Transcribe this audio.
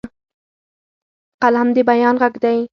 قلم د بیان غږ دی